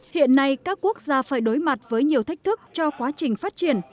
hiện nay các quốc gia phải đối mặt với nhiều thách thức cho quá trình phát triển